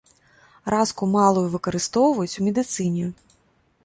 Раску малую выкарыстоўваюць у медыцыне.